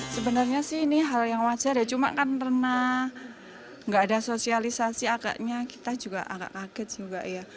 sebenarnya sih ini hal yang wajar ya cuma karena nggak ada sosialisasi agaknya kita juga agak kaget juga ya